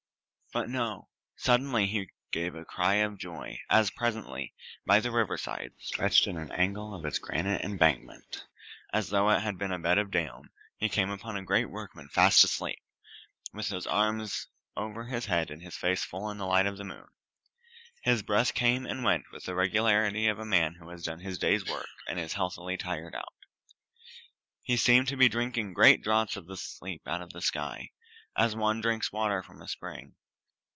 But no! Suddenly he gave a cry of joy, as presently, by the riverside, stretched in an angle of its granite embankment, as though it had been a bed of down, he came upon a great workman fast asleep, with his arms over his head and his face full in the light of the moon. His breath came and went with the regularity of a man who has done his days work and is healthily tired out. He seemed to be drinking great draughts of sleep out of the sky, as one drinks water from a spring.